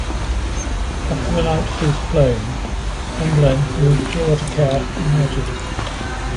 After the Knights ceased playing, Emblen moved to Waitakere United.